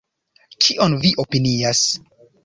Kion vi opinias?